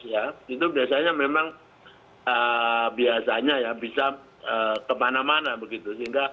sehingga kata kata yang kelihatannya sederhana sebetulnya bisa dikirimkan ke mana mana